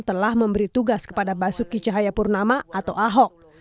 telah memberi tugas kepada basuki cahayapurnama atau ahok